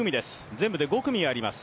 全部で５組あります。